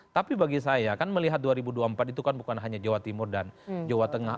tapi bagi saya kan melihat dua ribu dua puluh empat itu kan bukan hanya jawa timur dan jawa tengah